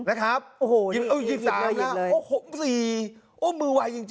นะครับอู้ห่อยยิบ๓แล้วสี่มือไวจริงหกหส